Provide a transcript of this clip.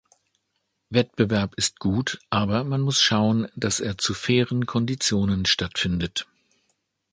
Wettbewerb ist gut, aber man muss schauen, dass er zu fairen Konditionen stattfindet.